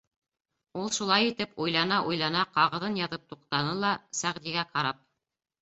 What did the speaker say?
Ул шулай итеп уйлана-уйлана ҡағыҙын яҙып туҡтаны ла, Сәғдигә ҡарап: